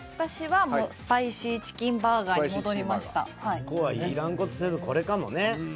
ここはいらん事せずこれかもね。